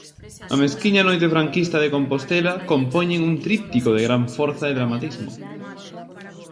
A mesquiña noite franquista de Compostela compoñen un tríptico de gran forza e dramatismo.